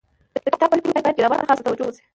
د کتاب په لیکلو کي باید ګرامر ته خاصه توجو وسي.